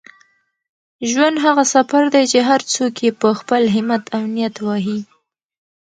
ژوند هغه سفر دی چي هر څوک یې په خپل همت او نیت وهي.